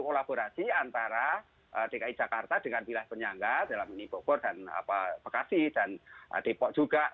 kolaborasi antara dki jakarta dengan wilayah penyangga dalam nipobor dan pekasi dan dipo juga